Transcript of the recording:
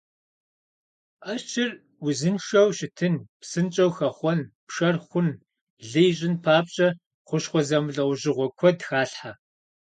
Ӏэщыр узыншэу щытын, псынщӀэу хэхъуэн, пшэр хъун, лы ищӀын папщӀэ, хущхъуэ зэмылӀэужьыгъуэ куэд халъхьэ.